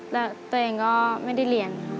แล้วตัวเองก็ไม่ได้เรียน